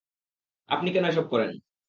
আপনি কেন এসব করেন?